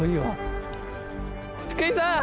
福井さん！